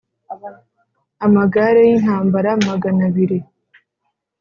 amagare y intambara Magana abiri